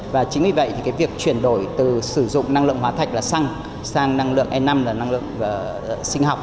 và chính vì vậy thì cái việc chuyển đổi từ sử dụng năng lượng hóa thạch là xăng sang năng lượng e năm là năng lượng sinh học